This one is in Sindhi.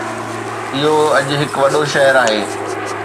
اهو اڄ هڪ وڏو شهر آهي.